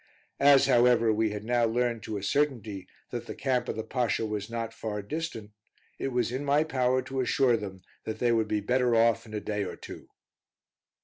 As, however, we had now learned to a certainty, that the camp of the Pasha was not far distant, it was in my power to assure them that they would be better off in a day or two.